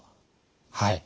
はい。